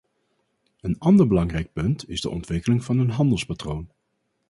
Een ander belangrijk punt is de ontwikkeling van een handelspatroon.